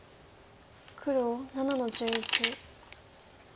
黒７の十一。